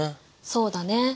そうだね。